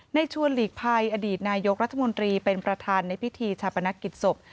ชวนหลีกภัยอดีตนายกรัฐมนตรีเป็นประธานในพิธีชาปนกิจศพ